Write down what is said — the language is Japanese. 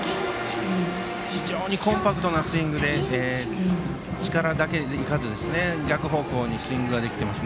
非常にコンパクトなスイングで、力だけでいかず逆方向にスイングができています。